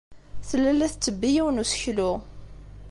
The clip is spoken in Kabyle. Tella la tettebbi yiwen n useklu.